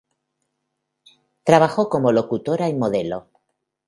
Trabajó como locutora y modelo.